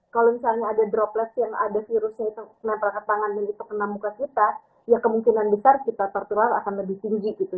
kalau misalnya ada droplet yang ada virusnya itu nempel ke tangan dan itu kena muka kita ya kemungkinan besar kita tertular akan lebih tinggi gitu